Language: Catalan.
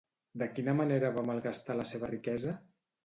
De quina manera va malgastar la seva riquesa?